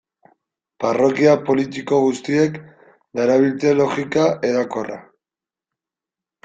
Parrokia politiko guztiek darabilte logika hedakorra.